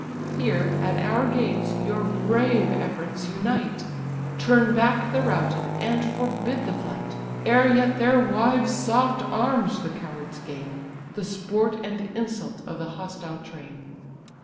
Here, at our gates, your brave efforts unite, Turn back the routed, and forbid the flight, Ere yet their wives' soft arms the cowards gain, The sport and insult of the hostile train.